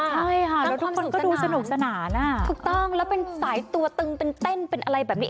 ใช่ค่ะแล้วมันก็ดูสนุกสนานถูกต้องแล้วเป็นสายตัวตึงเป็นเต้นเป็นอะไรแบบนี้